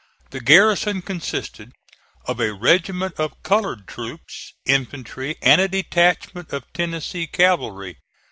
The garrison consisted of a regiment of colored troops, infantry, and a detachment of Tennessee cavalry.